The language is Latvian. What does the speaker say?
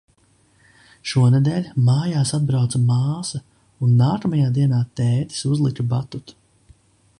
Šonedēļ mājās atbrauca māsa un nākamajā dienā tētis uzlika batutu.